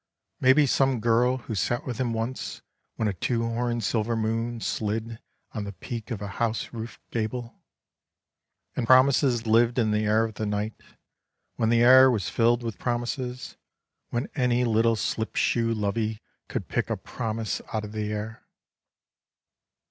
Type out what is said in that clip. Maybe some buddy knows, some sister, mother, sweetheart, maybe some girl who sat with him once when a two horn silver moon slid on the peak of a house roof gable, and promises lived in the air of the night, when the air was filled with promises, when any little slip shoe lovey could pick a promise out of the air.